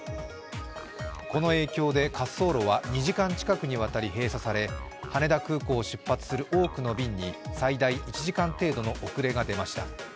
この影響で滑走路は２時間近くにわたり閉鎖され羽田空港を出発する多くの便に最大１時間程度の遅れが出ました。